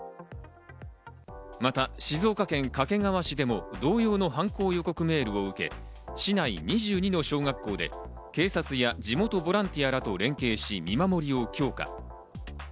また静岡県掛川市でも同様の犯行予告メールを受け、市内２２の小学校で警察や地元ボランティアらと連携し、見守りを強化。